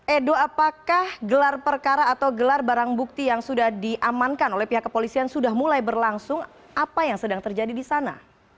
edo apakah gelar perkara atau gelar barang bukti yang sudah diamankan oleh pihak kepolisian sudah mulai berlangsung apa yang sedang terjadi di sana